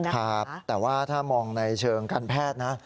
ครับแต่ว่าถ้ามองในเชิงการแพทย์นะ